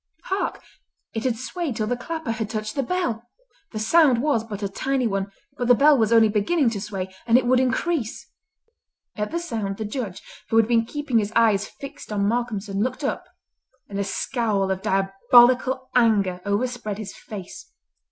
Hark! it had swayed till the clapper had touched the bell. The sound was but a tiny one, but the bell was only beginning to sway, and it would increase. At the sound the Judge, who had been keeping his eyes fixed on Malcolmson, looked up, and a scowl of diabolical anger overspread his face.